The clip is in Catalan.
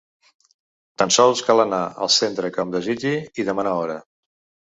Tan sols cal anar al centre que hom desitgi i demanar hora.